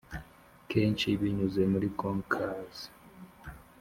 kenshi binyuze muri concours.